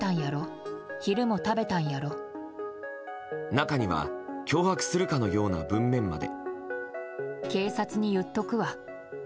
中には、脅迫するかのような文面まで。